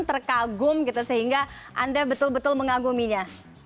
terkagum gitu sehingga anda betul betul mengaguminya